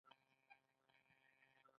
ایا خوږه مو کمه کړې ده؟